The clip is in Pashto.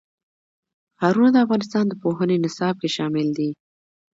ښارونه د افغانستان د پوهنې نصاب کې شامل دي.